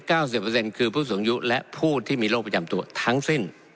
สิบเปอร์เซ็นต์คือผู้สูงอายุและผู้ที่มีโรคประจำตัวทั้งสิ้น